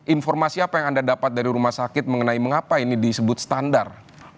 informasi apa yang anda dapat dari rumah sakit mengenai mengapa ini disebut standar